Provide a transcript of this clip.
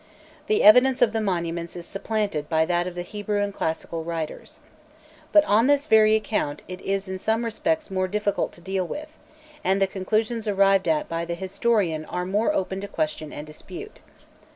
The evidence of the monuments is supplemented by that of the Hebrew and classical writers. But on this very account it is in some respects more difficult to deal with, and the conclusions arrived at by the historian are more open to question and dispute.